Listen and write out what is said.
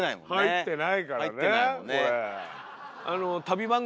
入ってないからねこれ。